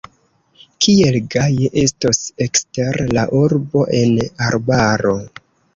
Kiel gaje estos ekster la urbo, en arbaro!